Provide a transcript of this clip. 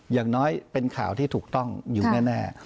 อย่างน้อยเป็นข่าวที่ถูกต้องอยู่แน่